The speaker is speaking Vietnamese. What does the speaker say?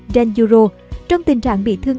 danjuro trong tình trạng bị thương